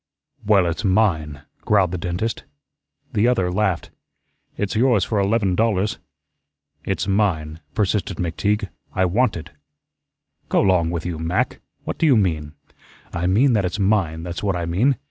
"Well, it's mine," growled the dentist. The other laughed. "It's yours for eleven dollars." "It's mine," persisted McTeague. "I want it." "Go 'long with you, Mac. What do you mean?" "I mean that it's mine, that's what I mean.